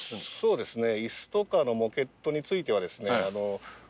そうですね。